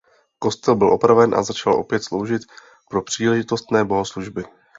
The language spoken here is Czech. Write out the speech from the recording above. Kostel byl opraven a začal opět sloužit pro příležitostné bohoslužby.